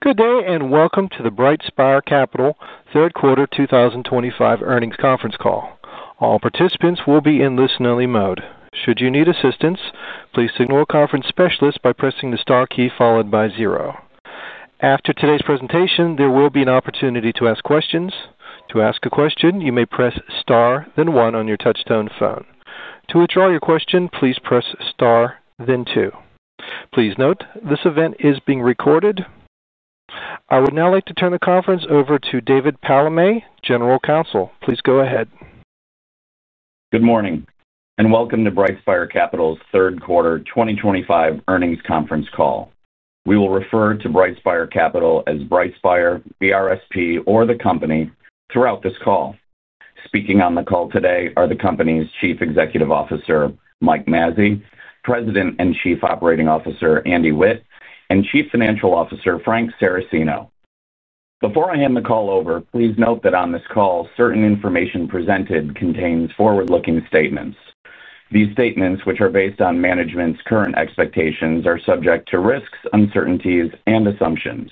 Good day and welcome to the BrightSpire Capital third quarter 2025 earnings conference call. All participants will be in listen-only mode. Should you need assistance, please signal a conference specialist by pressing the star key followed by zero. After today's presentation, there will be an opportunity to ask questions. To ask a question, you may press star, then one on your touch-tone phone. To withdraw your question, please press star, then two. Please note, this event is being recorded. I would now like to turn the conference over to David Palamé, General Counsel. Please go ahead. Good morning and welcome to BrightSpire Capital's third quarter 2025 earnings conference call. We will refer to BrightSpire Capital as BrightSpire, BRSP, or the Company throughout this call. Speaking on the call today are the Company's Chief Executive Officer, Mike Mazzei, President and Chief Operating Officer, Andy Witt, and Chief Financial Officer, Frank Saracino. Before I hand the call over, please note that on this call, certain information presented contains forward-looking statements. These statements, which are based on management's current expectations, are subject to risks, uncertainties, and assumptions.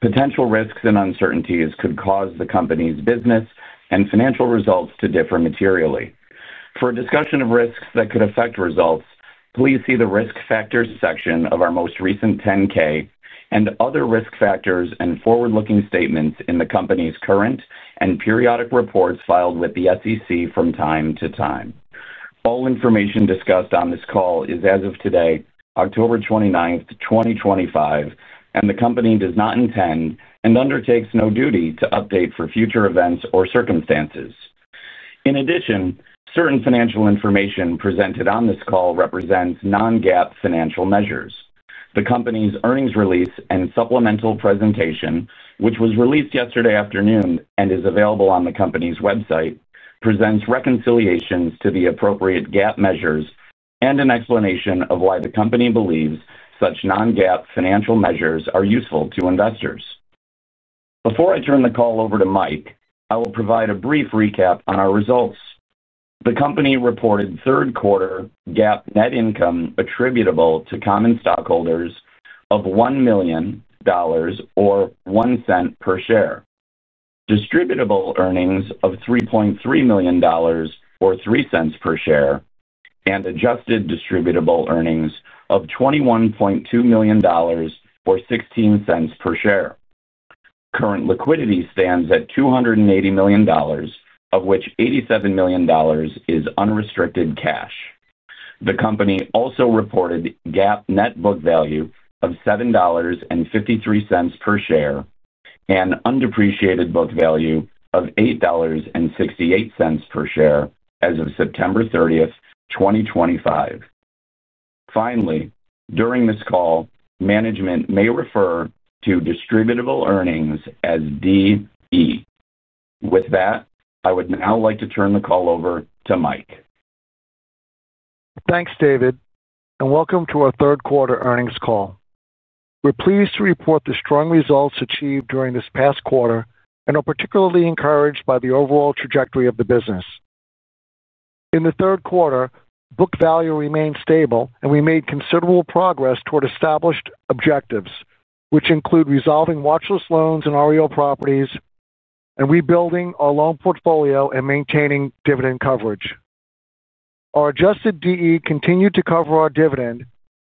Potential risks and uncertainties could cause the Company's business and financial results to differ materially. For a discussion of risks that could affect results, please see the Risk Factors section of our most recent 10-K and other risk factors and forward-looking statements in the Company's current and periodic reports filed with the SEC from time to time. All information discussed on this call is as of today, October 29, 2025, and the Company does not intend and undertakes no duty to update for future events or circumstances. In addition, certain financial information presented on this call represents non-GAAP financial measures. The Company's earnings release and supplemental presentation, which was released yesterday afternoon and is available on the Company's website, presents reconciliations to the appropriate GAAP measures and an explanation of why the Company believes such non-GAAP financial measures are useful to investors. Before I turn the call over to Michael, I will provide a brief recap on our results. The Company reported third quarter GAAP net income attributable to common stockholders of $1 million or $0.01 per share, distributable earnings of $3.3 million or $0.03 per share, and adjusted distributable earnings of $21.2 million or $0.16 per share. Current liquidity stands at $280 million, of which $87 million is unrestricted cash. The Company also reported GAAP net book value of $7.53 per share and undepreciated book value of $8.68 per share as of September 30, 2025. Finally, during this call, management may refer to distributable earnings as DE. With that, I would now like to turn the call over to Mike. Thanks, David, and welcome to our third quarter earnings call. We're pleased to report the strong results achieved during this past quarter and are particularly encouraged by the overall trajectory of the business. In the third quarter, book value remained stable, and we made considerable progress toward established objectives, which include resolving watchlist loans in REO properties and rebuilding our loan portfolio and maintaining dividend coverage. Our adjusted DE continued to cover our dividend,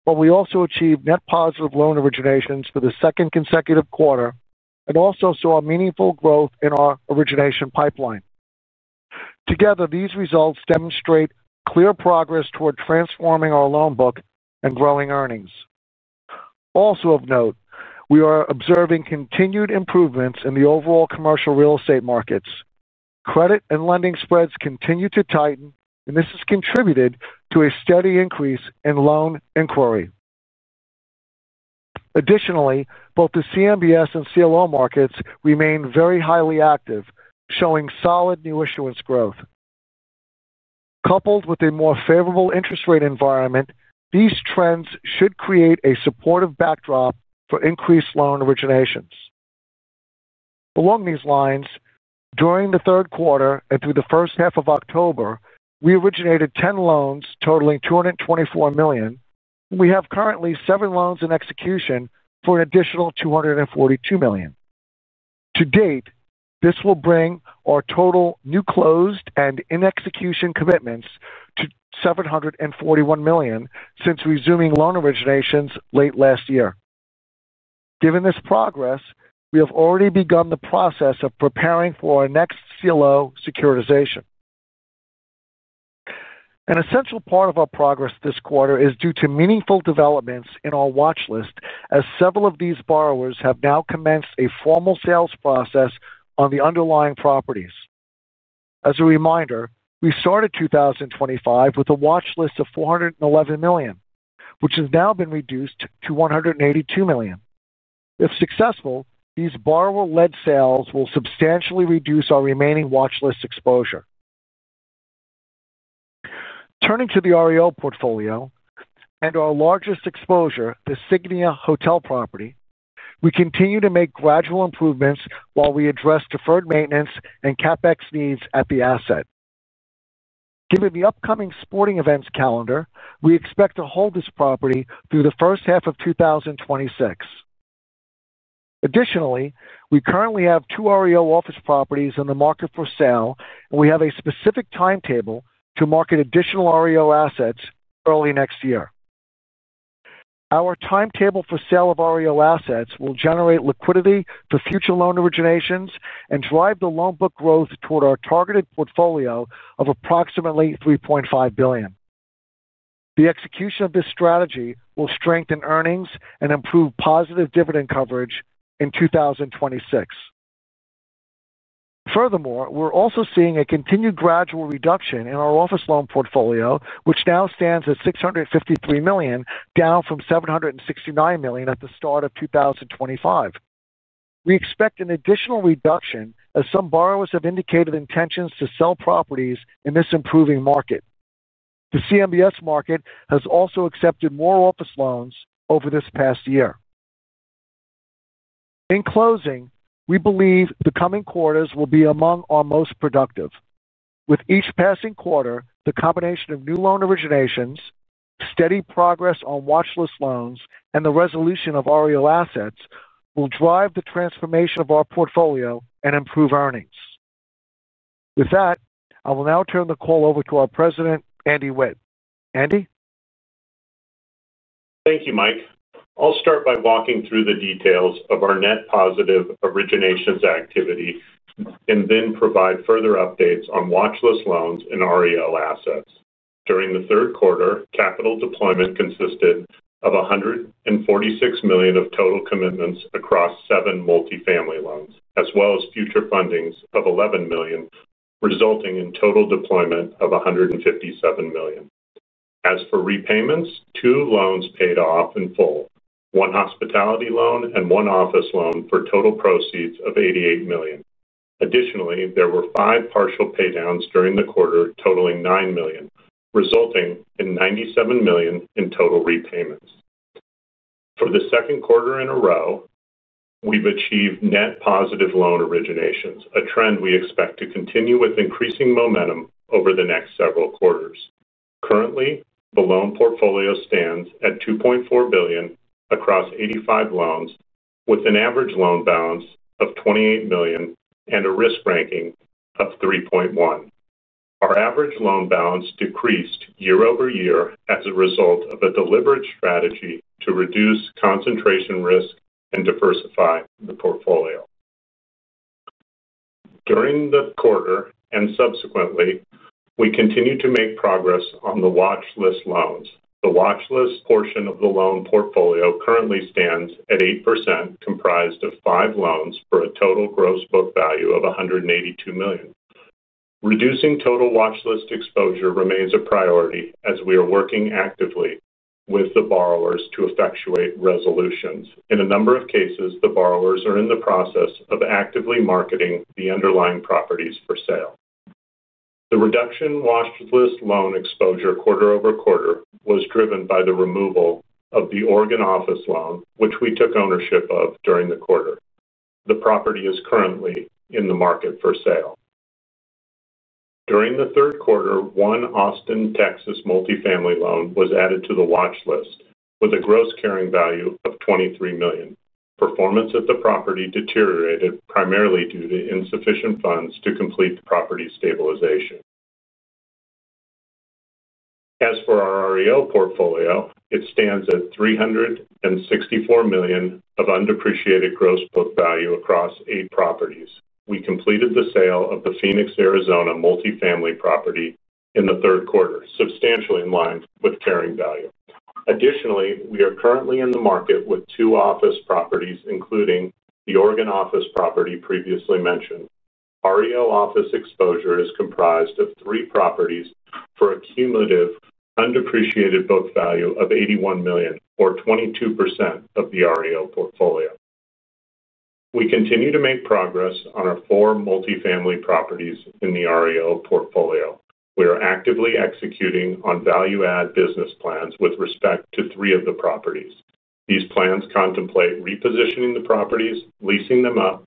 and we also achieved net positive loan originations for the second consecutive quarter and also saw meaningful growth in our origination pipeline. Together, these results demonstrate clear progress toward transforming our loan book and growing earnings. Also of note, we are observing continued improvements in the overall commercial real estate markets. Credit and lending spreads continue to tighten, and this has contributed to a steady increase in loan inquiry. Additionally, both the CMBS and CLO markets remain very highly active, showing solid new issuance growth. Coupled with a more favorable interest rate environment, these trends should create a supportive backdrop for increased loan originations. Along these lines, during the third quarter and through the first half of October, we originated 10 loans totaling $224 million, and we have currently 7 loans in execution for an additional $242 million. To date, this will bring our total new closed and in-execution commitments to $741 million since resuming loan originations late last year. Given this progress, we have already begun the process of preparing for our next CLO securitization. An essential part of our progress this quarter is due to meaningful developments in our watchlist, as several of these borrowers have now commenced a formal sales process on the underlying properties. As a reminder, we started 2024 with a watchlist of $411 million, which has now been reduced to $182 million. If successful, these borrower-led sales will substantially reduce our remaining watchlist exposure. Turning to the REO portfolio and our largest exposure, the Xenia Hotel property, we continue to make gradual improvements while we address deferred maintenance and CapEx needs at the asset. Given the upcoming sporting events calendar, we expect to hold this property through the first half of 2026. Additionally, we currently have two real estate owned office properties in the market for sale, and we have a specific timetable to market additional real estate owned assets early next year. Our timetable for sale of real estate owned assets will generate liquidity for future loan originations and drive the loan book growth toward our targeted portfolio of approximately $3.5 billion. The execution of this strategy will strengthen earnings and improve positive dividend coverage in 2026. Furthermore, we're also seeing a continued gradual reduction in our office loan portfolio, which now stands at $653 million, down from $769 million at the start of 2025. We expect an additional reduction as some borrowers have indicated intentions to sell properties in this improving market. The CMBS market has also accepted more office loans over this past year. In closing, we believe the coming quarters will be among our most productive. With each passing quarter, the combination of new loan originations, steady progress on watchlist loans, and the resolution of real estate owned assets will drive the transformation of our portfolio and improve earnings. With that, I will now turn the call over to our President, Andy Witt. Andy? Thank you, Mike. I'll start by walking through the details of our net positive loan originations activity and then provide further updates on watchlist loans and real estate owned (REO) assets. During the third quarter, capital deployment consisted of $146 million of total commitments across seven multifamily loans, as well as future fundings of $11 million, resulting in total deployment of $157 million. As for repayments, two loans paid off in full: one hospitality loan and one office loan for total proceeds of $88 million. Additionally, there were five partial paydowns during the quarter totaling $9 million, resulting in $97 million in total repayments. For the second quarter in a row, we've achieved net positive loan originations, a trend we expect to continue with increasing momentum over the next several quarters. Currently, the loan portfolio stands at $2.4 billion across 85 loans, with an average loan balance of $28 million and a risk ranking of 3.1. Our average loan balance decreased year-over-year as a result of a deliberate strategy to reduce concentration risk and diversify the portfolio. During the quarter and subsequently, we continue to make progress on the watchlist loans. The watchlist portion of the loan portfolio currently stands at 8%, comprised of five loans for a total gross book value of $182 million. Reducing total watchlist exposure remains a priority as we are working actively with the borrowers to effectuate resolutions. In a number of cases, the borrowers are in the process of actively marketing the underlying properties for sale. The reduction in watchlist loan exposure quarter-over-quarter was driven by the removal of the Oregon office loan, which we took ownership of during the quarter. The property is currently in the market for sale. During the third quarter, one Austin, Texas multifamily loan was added to the watchlist with a gross carrying value of $23 million. Performance at the property deteriorated primarily due to insufficient funds to complete the property stabilization. As for our REO portfolio, it stands at $364 million of undepreciated gross book value across eight properties. We completed the sale of the Phoenix, Arizona multifamily property in the third quarter, substantially in line with carrying value. Additionally, we are currently in the market with two office properties, including the Oregon office property previously mentioned. REO office exposure is comprised of three properties for a cumulative undepreciated book value of $81 million, or 22% of the REO portfolio. We continue to make progress on our four multifamily properties in the REO portfolio. We are actively executing on value-add business plans with respect to three of the properties. These plans contemplate repositioning the properties, leasing them up,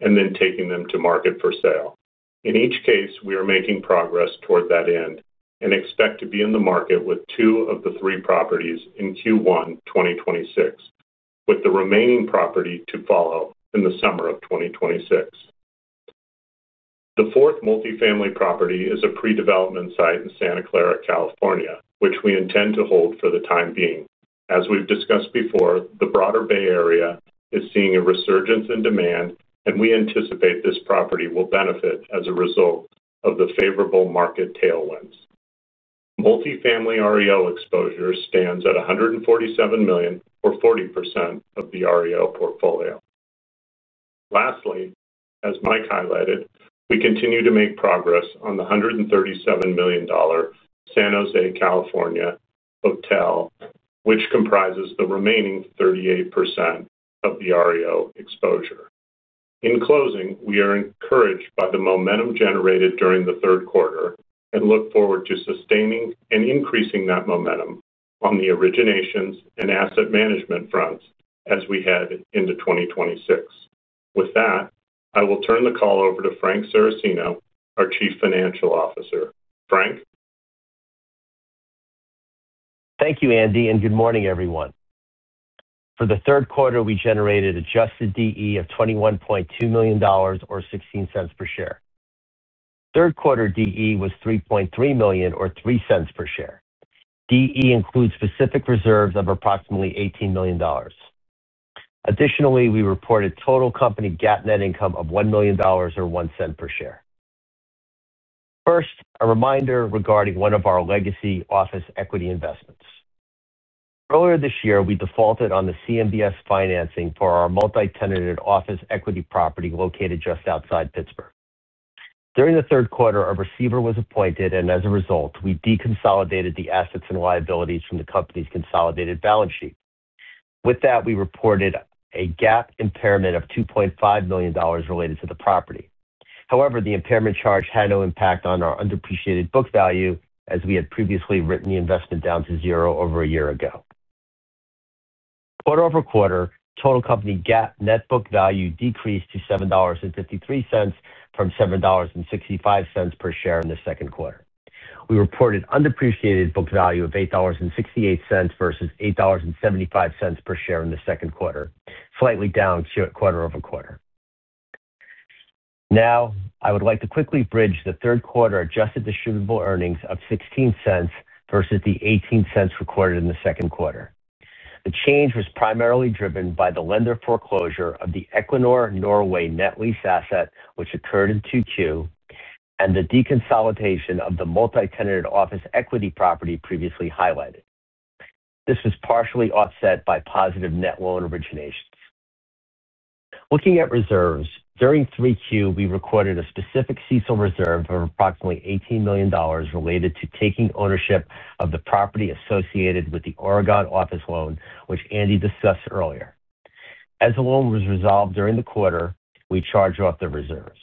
and then taking them to market for sale. In each case, we are making progress toward that end and expect to be in the market with two of the three properties in Q1 2026, with the remaining property to follow in the summer of 2026. The fourth multifamily property is a pre-development site in Santa Clara, California, which we intend to hold for the time being. As we've discussed before, the broader Bay Area is seeing a resurgence in demand, and we anticipate this property will benefit as a result of the favorable market tailwinds. Multifamily REO exposure stands at $147 million, or 40% of the REO portfolio. Lastly, as Mike highlighted, we continue to make progress on the $137 million San Jose, California hotel, which comprises the remaining 38% of the REO exposure. In closing, we are encouraged by the momentum generated during the third quarter and look forward to sustaining and increasing that momentum on the originations and asset management fronts as we head into 2026. With that, I will turn the call over to Frank Saracino, our Chief Financial Officer. Frank? Thank you, Andy, and good morning, everyone. For the third quarter, we generated an adjusted DE of $21.2 million or $0.16 per share. Third quarter DE was $3.3 million or $0.03 per share. DE includes specific reserves of approximately $18 million. Additionally, we reported total company GAAP net income of $1 million or $0.01 per share. First, a reminder regarding one of our legacy office equity investments. Earlier this year, we defaulted on the CMBS financing for our multi-tenanted office equity property located just outside Pittsburgh. During the third quarter, a receiver was appointed, and as a result, we de-consolidated the assets and liabilities from the company's consolidated balance sheet. With that, we reported a GAAP impairment of $2.5 million related to the property. However, the impairment charge had no impact on our undepreciated book value as we had previously written the investment down to zero over a year ago. Quarter-over-quarter, total company GAAP net book value decreased to $7.53 from $7.65 per share in the second quarter. We reported undepreciated book value of $8.68 versus $8.75 per share in the second quarter, slightly down quarter-over-quarter. Now, I would like to quickly bridge the third quarter adjusted distributable earnings of $0.16 versus the $0.18 recorded in the second quarter. The change was primarily driven by the lender foreclosure of the Equinor Norway net lease asset, which occurred in Q2, and the de-consolidation of the multi-tenanted office equity property previously highlighted. This was partially offset by positive net loan originations. Looking at reserves, during Q3, we recorded a specific CECL reserve of approximately $18 million related to taking ownership of the property associated with the Oregon office loan, which Andy discussed earlier. As the loan was resolved during the quarter, we charged off the reserves.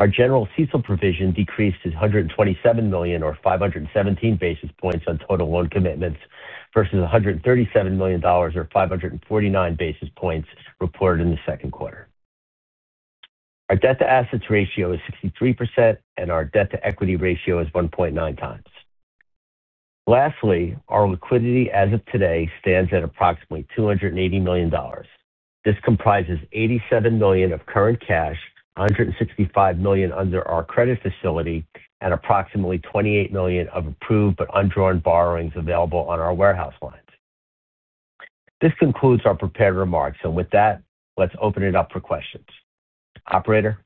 Our general CECL provision decreased to $127 million or 517 basis points on total loan commitments versus $137 million or 549 basis points reported in the second quarter. Our debt-to-assets ratio is 63%, and our debt-to-equity ratio is 1.9x. Lastly, our liquidity as of today stands at approximately $280 million. This comprises $87 million of current cash, $165 million under our credit facility, and approximately $28 million of approved but undrawn borrowings available on our warehouse lines. This concludes our prepared remarks, and with that, let's open it up for questions. Operator?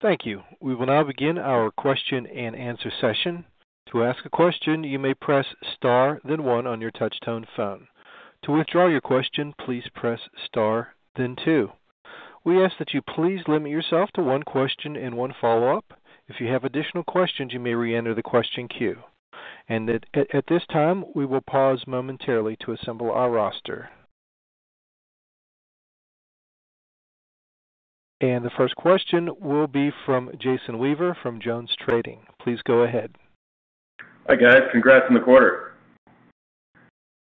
Thank you. We will now begin our question-and-answer session. To ask a question, you may press star, then one on your touch-tone phone. To withdraw your question, please press star, then two. We ask that you please limit yourself to one question and one follow-up. If you have additional questions, you may re-enter the question queue. At this time, we will pause momentarily to assemble our roster. The first question will be from Jason Weaver from JonesTrading. Please go ahead. Hi guys, congrats on the quarter.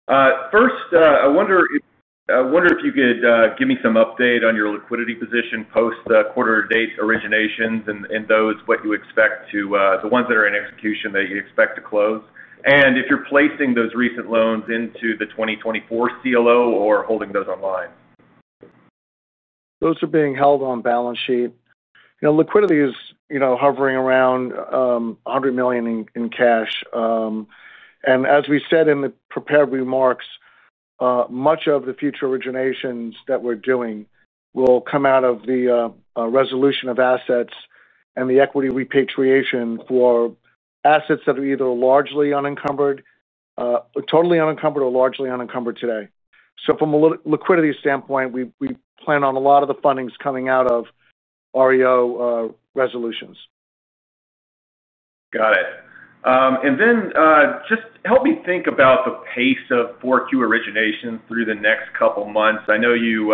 First, I wonder if you could give me some update on your liquidity position post-quarter date originations and those, what you expect to, the ones that are in execution that you expect to close, and if you're placing those recent loans into the 2024 CLO or holding those online? Those are being held on balance sheet. Liquidity is hovering around $100 million in cash. As we said in the prepared remarks, much of the future originations that we're doing will come out of the resolution of assets and the equity repatriation for assets that are either largely unencumbered, totally unencumbered, or largely unencumbered today. From a liquidity standpoint, we plan on a lot of the fundings coming out of REO resolutions. Got it. Help me think about the pace of Q4 originations through the next couple of months. I know you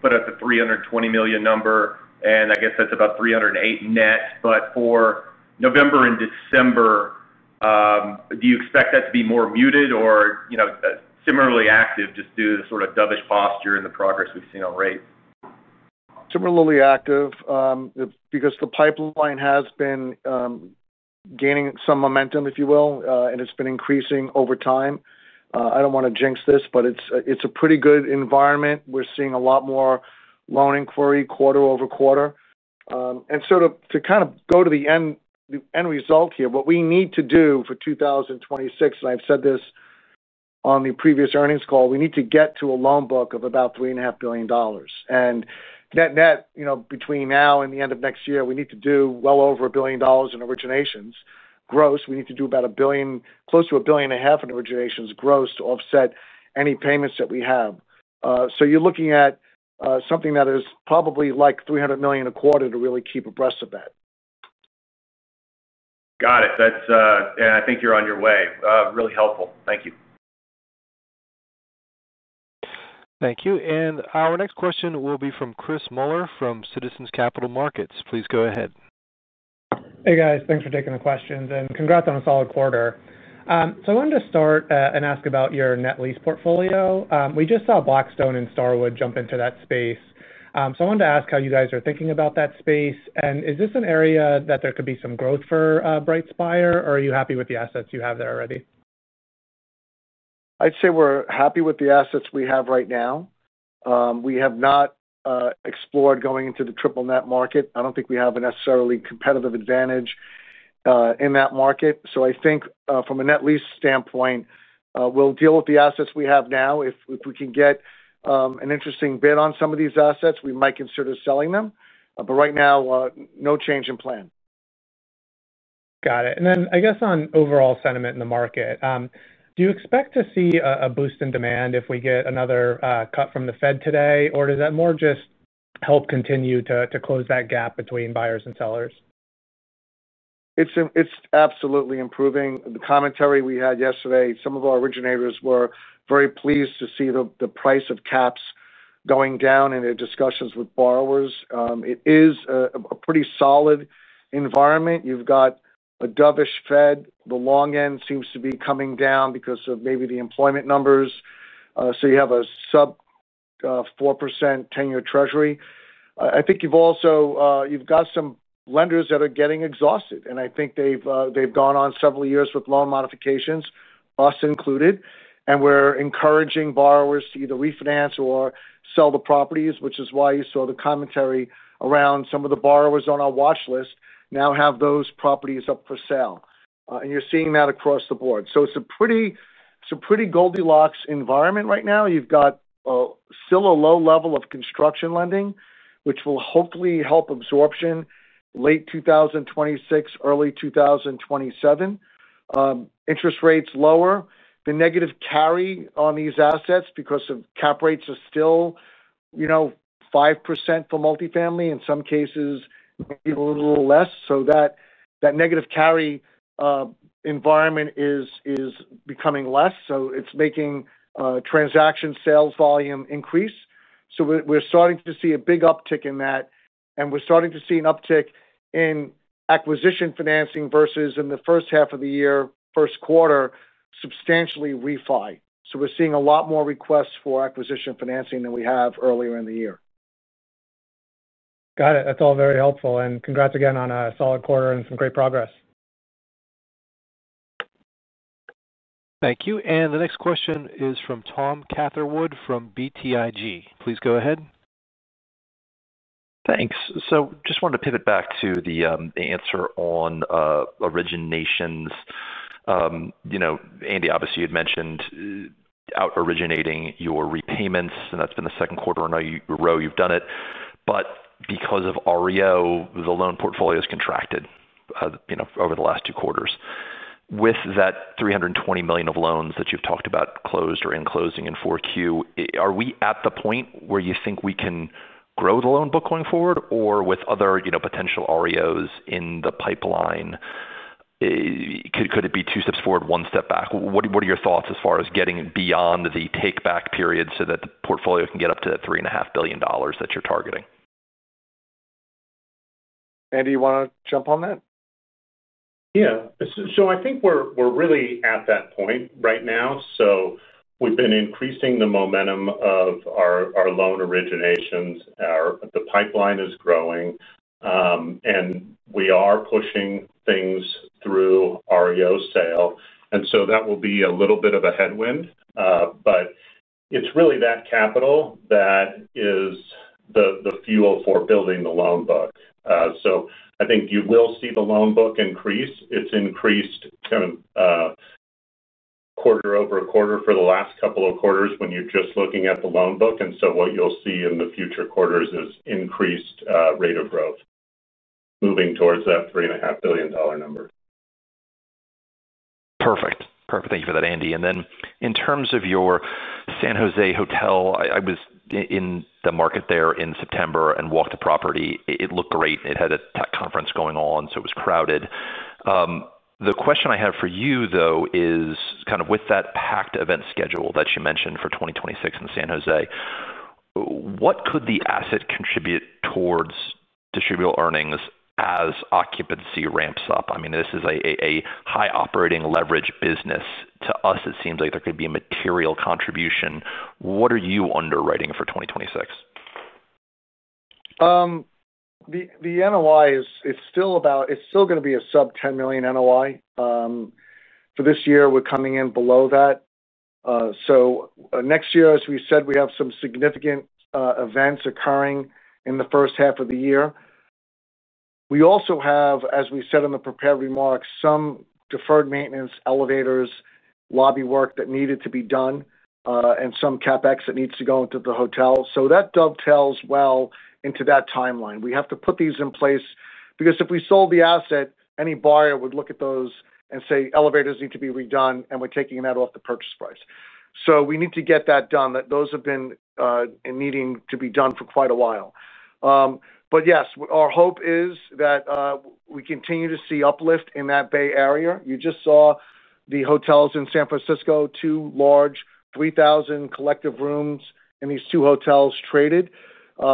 put out the $320 million number, and I guess that's about $308 million net. For November and December, do you expect that to be more muted or similarly active just due to the sort of dovish posture and the progress we've seen on rates? Similarly active, because the pipeline has been gaining some momentum, if you will, and it's been increasing over time. I don't want to jinx this, but it's a pretty good environment. We're seeing a lot more loan inquiry quarter-over-quarter. To kind of go to the end result here, what we need to do for 2026, and I've said this on the previous earnings call, we need to get to a loan book of about $3.5 billion. Net net, you know, between now and the end of next year, we need to do well over $1 billion in originations gross. We need to do about $1 billion, close to $1.5 billion in originations gross to offset any payments that we have. You're looking at something that is probably like $300 million a quarter to really keep abreast of that. Got it. Yeah, I think you're on your way. Really helpful. Thank you. Thank you. Our next question will be from Chris Muller from Citizens Capital Market. Please go ahead. Hey guys, thanks for taking the questions and congrats on a solid quarter. I wanted to start and ask about your net lease portfolio. We just saw Blackstone and Starwood jump into that space. I wanted to ask how you guys are thinking about that space. Is this an area that there could be some growth for BrightSpire, or are you happy with the assets you have there already? I'd say we're happy with the assets we have right now. We have not explored going into the triple net market. I don't think we have a necessarily competitive advantage in that market. From a net lease standpoint, we'll deal with the assets we have now. If we can get an interesting bid on some of these assets, we might consider selling them. Right now, no change in plan. Got it. I guess on overall sentiment in the market, do you expect to see a boost in demand if we get another cut from the Fed today, or does that more just help continue to close that gap between buyers and sellers? It's absolutely improving. The commentary we had yesterday, some of our originators were very pleased to see the price of CAPs going down in their discussions with borrowers. It is a pretty solid environment. You've got a dovish Fed. The long end seems to be coming down because of maybe the employment numbers. You have a sub-4% 10-year Treasury. I think you've also got some lenders that are getting exhausted. I think they've gone on several years with loan modifications, us included. We're encouraging borrowers to either refinance or sell the properties, which is why you saw the commentary around some of the borrowers on our watchlist now have those properties up for sale. You're seeing that across the board. It's a pretty Goldilocks environment right now. You've got still a low level of construction lending, which will hopefully help absorption late 2026, early 2027. Interest rates lower. The negative carry on these assets because CAP rates are still, you know, 5% for multifamily, in some cases maybe a little less. That negative carry environment is becoming less. It's making transaction sales volume increase. We're starting to see a big uptick in that. We're starting to see an uptick in acquisition financing versus in the first half of the year, first quarter, substantially refi. We're seeing a lot more requests for acquisition financing than we have earlier in the year. Got it. That's all very helpful. Congrats again on a solid quarter and some great progress. Thank you. The next question is from Tom Catherwood from BTIG. Please go ahead. Thanks. I just wanted to pivot back to the answer on originations. Andy, obviously you'd mentioned out-originating your repayments, and that's been the second quarter in a row you've done it. Because of REO, the loan portfolio has contracted over the last two quarters. With that $320 million of loans that you've talked about closed or in closing in Q4, are we at the point where you think we can grow the loan book going forward, or with other potential REOs in the pipeline, could it be two steps forward, one step back? What are your thoughts as far as getting beyond the take-back period so that the portfolio can get up to $3.5 billion that you're targeting? Andy, you want to jump on that? Yeah. I think we're really at that point right now. We've been increasing the momentum of our loan originations. The pipeline is growing, and we are pushing things through REO sale. That will be a little bit of a headwind, but it's really that capital that is the fuel for building the loan book. I think you will see the loan book increase. It's increased quarter over-quarter for the last couple of quarters when you're just looking at the loan book. What you'll see in the future quarters is increased rate of growth, moving towards that $3.5 billion number. Perfect. Thank you for that, Andy. In terms of your San Jose Hotel, I was in the market there in September and walked the property. It looked great. It had a tech conference going on, so it was crowded. The question I have for you is, with that packed event schedule that you mentioned for 2026 in San Jose, what could the asset contribute towards distributable earnings as occupancy ramps up? I mean, this is a high operating leverage business. To us, it seems like there could be a material contribution. What are you underwriting for 2026? The NOI is still about, it's still going to be a sub-$10 million NOI. For this year, we're coming in below that. Next year, as we said, we have some significant events occurring in the first half of the year. We also have, as we said in the prepared remarks, some deferred maintenance, elevators, lobby work that needed to be done, and some CapEx that needs to go into the hotel. That dovetails well into that timeline. We have to put these in place because if we sold the asset, any buyer would look at those and say, "Elevators need to be redone," and we're taking that off the purchase price. We need to get that done. Those have been needing to be done for quite a while. Yes, our hope is that we continue to see uplift in that Bay Area. You just saw the hotels in San Francisco, two large, 3,000 collective rooms in these two hotels traded. We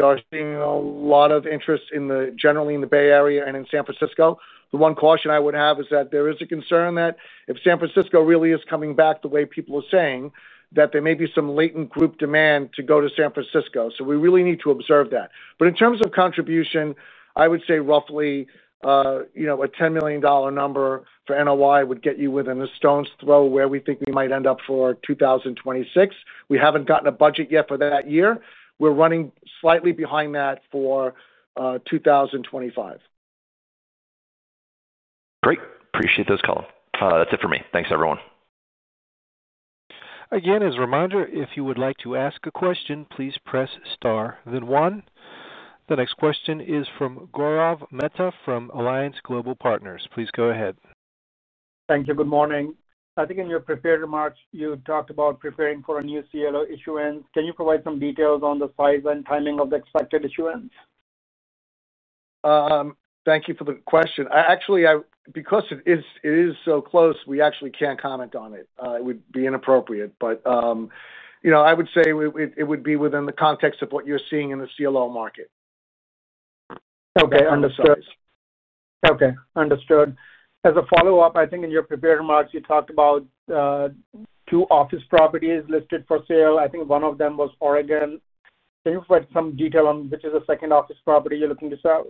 are seeing a lot of interest generally in the Bay Area and in San Francisco. The one caution I would have is that there is a concern that if San Francisco really is coming back the way people are saying, there may be some latent group demand to go to San Francisco. We really need to observe that. In terms of contribution, I would say roughly, you know, a $10 million number for NOI would get you within a stone's throw where we think we might end up for 2026. We haven't gotten a budget yet for that year. We're running slightly behind that for 2025. Great. Appreciate those, Conor. That's it for me. Thanks, everyone. Again, as a reminder, if you would like to ask a question, please press star, then one. The next question is from Gaurav Mehta from Alliance Global Partners. Please go ahead. Thank you. Good morning. I think in your prepared remarks, you talked about preparing for a new CLO issuance. Can you provide some details on the size and timing of the expected issuance? Thank you for the question. Actually, because it is so close, we can't comment on it. It would be inappropriate. I would say it would be within the context of what you're seeing in the CLO market. Okay. Understood. As a follow-up, I think in your prepared remarks, you talked about two office properties listed for sale. I think one of them was Oregon. Can you provide some detail on which is the second office property you're looking to sell?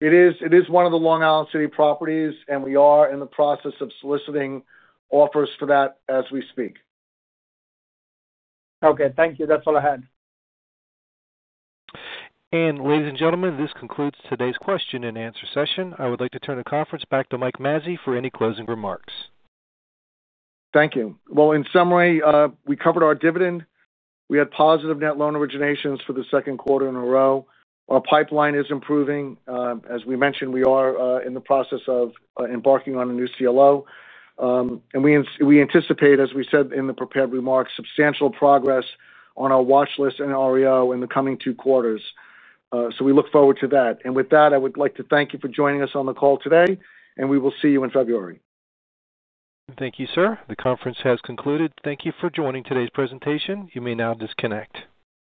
It is one of the Long Island City properties, and we are in the process of soliciting offers for that as we speak. Okay, thank you. That's all I had. Ladies and gentlemen, this concludes today's question-and-answer session. I would like to turn the conference back to Mike Mazzei for any closing remarks. Thank you. In summary, we covered our dividend. We had positive net loan originations for the second quarter in a row. Our pipeline is improving. As we mentioned, we are in the process of embarking on a new CLO. We anticipate, as we said in the prepared remarks, substantial progress on our watchlist and REO in the coming two quarters. We look forward to that. With that, I would like to thank you for joining us on the call today, and we will see you in February. Thank you, sir. The conference has concluded. Thank you for joining today's presentation. You may now disconnect.